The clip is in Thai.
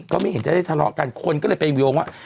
ก็ไม่เห็นจะได้ทะเลาะกันคนก็เลยไปโยงว่า